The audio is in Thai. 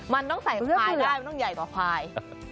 มันต้องใส่ควายได้มันต้องใหญ่กว่าควาย